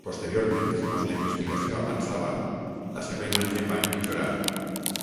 Posteriorment, segons la investigació avançava, la seva imatge va empitjorar.